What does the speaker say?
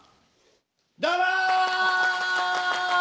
どうも！